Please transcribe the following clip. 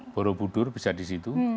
borobudur bisa disitu